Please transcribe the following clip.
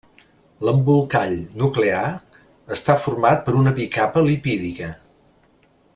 L’embolcall nuclear està format per una bicapa lipídica.